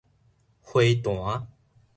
花壇